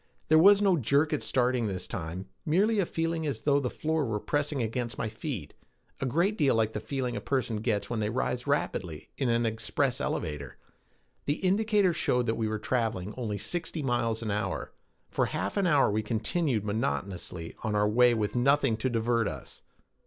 There was no jerk at starting this time, merely a feeling as though the floor were pressing against my feet, a great deal like the feeling a person gets when they rise rapidly in an express elevator. The indicator showed that we were traveling only sixty miles an hour. For half an hour we continued monotonously on our way with nothing to divert us.